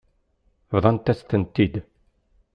Bḍant-as-tent-id.